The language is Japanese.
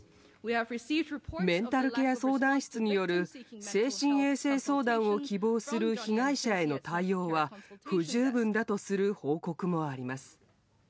メンタルケア相談室による精神衛生相談を希望する被害者への対応は不十分だとする報告もあります。